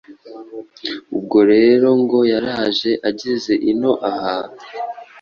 Ubwo rero ngo yaraje ageze ino aha,